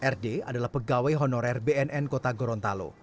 rd adalah pegawai honorer bnn kota gorontalo